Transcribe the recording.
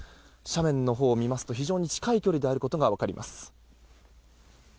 斜面のほうを見ますと非常に近い距離であることが分かります。